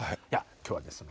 今日はですね